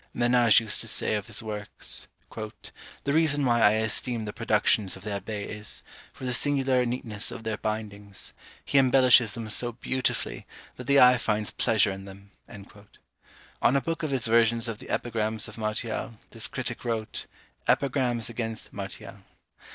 Menage used to say of his works, "The reason why I esteem the productions of the Abbé is, for the singular neatness of their bindings; he embellishes them so beautifully, that the eye finds pleasure in them." On a book of his versions of the Epigrams of Martial, this critic wrote, _Epigrams against Martial.